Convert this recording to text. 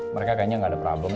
mereka kayaknya nggak ada problem